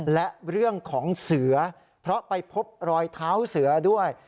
และเรื่องของเสือเพราะไปพบรอยเท้าเสือด้วย